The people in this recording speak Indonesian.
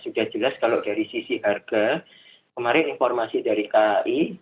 sudah jelas kalau dari sisi harga kemarin informasi dari kai